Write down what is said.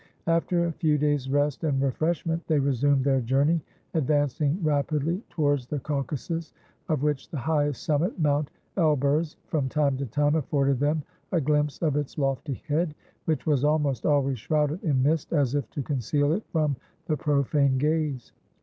After a few days' rest and refreshment, they resumed their journey, advancing rapidly towards the Caucasus, of which the highest summit, Mount Elburz, from time to time afforded them a glimpse of its lofty head, which was almost always shrouded in mist, as if to conceal it from the profane gaze.